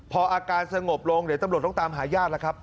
พออาการสงบลงเดี๋ยวตำรวจต้องตามหาญาติแล้วครับ